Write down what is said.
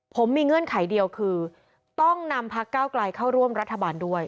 ผมมีเงื่อนไขเดียวคือต้องนำพักเก้าไกลเข้าร่วมรัฐบาลด้วย